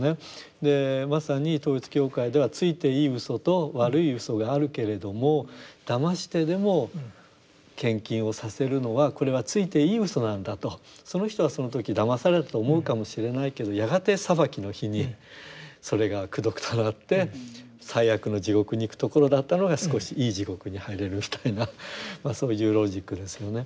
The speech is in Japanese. でまさに統一教会ではついていい嘘と悪い嘘があるけれどもだましてでも献金をさせるのはこれはついていい嘘なんだとその人はその時だまされたと思うかもしれないけどやがて裁きの日にそれが功徳となって最悪の地獄に行くところだったのが少しいい地獄に入れるみたいなそういうロジックですよね。